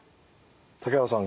竹原さん